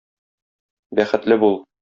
Бәхетле бул!